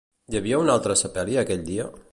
Hi havia un altre sepeli aquell dia?